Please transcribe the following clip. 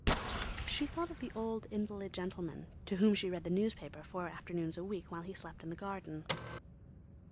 She thought of the old invalid gentleman to whom she read the newspaper four afternoons a week while he slept in the garden.